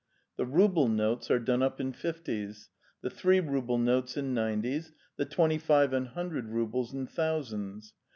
"The rouble notes are done up in fifties, ... the three rouble notes in nineties, the twenty five and hundred roubles in thousands.